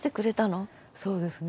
そうですね。